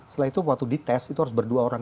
setelah itu waktu dites itu harus berdua orang